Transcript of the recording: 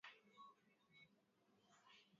watu wanaoga baada ya kufanya tendo la ndoa